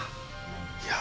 いや。